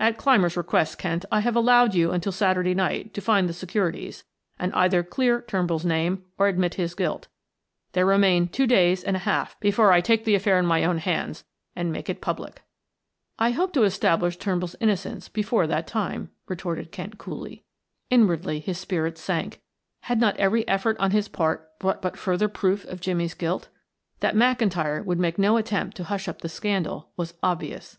"At Clymer's request, Kent, I have allowed you until Saturday night to find the securities and either clear Turnbull's name or admit his guilt; there remain two days and a half before I take the affair in my own hands and make it public." "I hope to establish Turnbull's innocence before that time," retorted Kent coolly. Inwardly his spirits sank; had not every effort on his part brought but further proof of Jimmie's guilt? That McIntyre would make no attempt to hush up the scandal was obvious.